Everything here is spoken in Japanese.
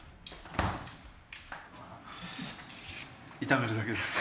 炒めるだけです。